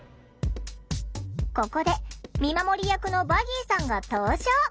ここで見守り役のヴァギーさんが登場。